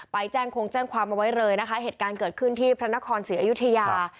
ไปแจ้งคงแจ้งความเอาไว้เลยนะคะเหตุการณ์เกิดขึ้นที่พระนครศรีอยุธยา